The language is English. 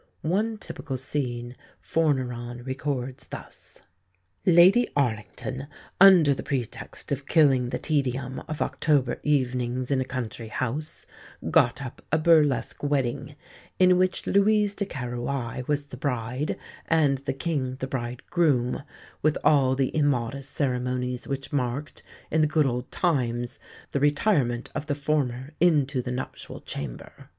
One typical scene Forneron records thus: "Lady Arlington, under the pretext of killing the tedium of October evenings in a country house, got up a burlesque wedding, in which Louise de Querouaille was the bride and the King the bridegroom, with all the immodest ceremonies which marked, in the good old times, the retirement of the former into the nuptial chamber."